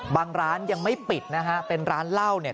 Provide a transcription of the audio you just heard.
ร้านยังไม่ปิดนะฮะเป็นร้านเหล้าเนี่ย